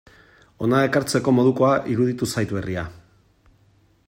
Hona ekartzeko modukoa iruditu zait berria.